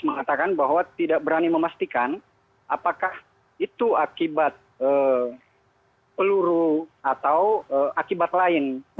mengatakan bahwa tidak berani memastikan apakah itu akibat peluru atau akibat lain